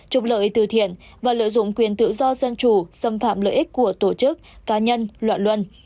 trục lợi từ thiện và lợi dụng quyền tự do dân chủ xâm phạm lợi ích của tổ chức cá nhân loạn luân